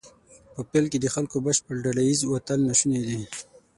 په پیل کې د خلکو بشپړ ډله ایز وتل ناشونی دی.